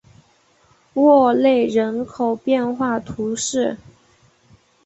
沃内人口变化图示